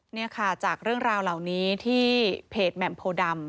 นี่ค่ะจากเรื่องราวเหล่านี้ที่เพจแหม่มโพดำ